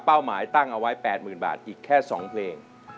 หมายตั้งเอาไว้๘๐๐๐บาทอีกแค่๒เพลง